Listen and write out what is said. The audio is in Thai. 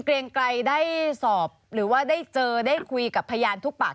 เกรงไกรได้สอบหรือว่าได้เจอได้คุยกับพยานทุกปาก